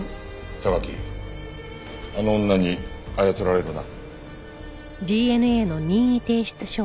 榊あの女に操られるな。